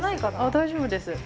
大丈夫です。